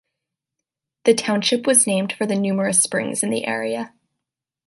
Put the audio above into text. The township was named for the numerous springs in the area.